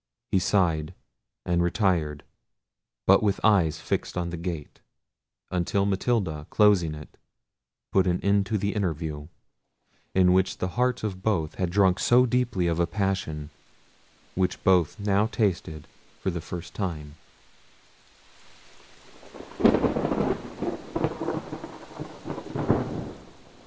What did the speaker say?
He sighed, and retired, but with eyes fixed on the gate, until Matilda, closing it, put an end to an interview, in which the hearts of both had drunk so deeply of a passion, which both now tasted for the first time.